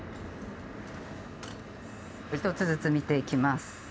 一つずつ見ていきます。